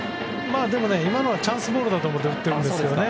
でも今のはチャンスボールだと思って打ってるんですよね。